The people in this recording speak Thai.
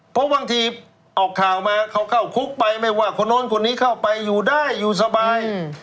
เพราะบางทีออกข่าวมาเขาเข้าคุกไปไม่ว่าคนโน้นคนนี้เข้าไปอยู่ได้อยู่สบาย